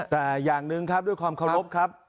แต่อย่างหนึ่งครับด้วยความเคารพครับ